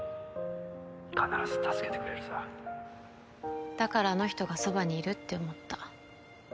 必ず助けてだからあの人がそばにいるって思った。